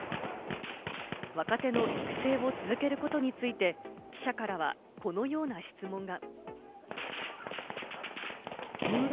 若手の育成を続けることについて、記者からはこのような質問が。